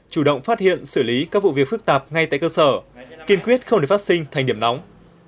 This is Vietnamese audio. chủ động phát hiện xử lý các vụ việc phức tạp ngay tại cơ sở kiên quyết không để phát sinh thành điểm nóng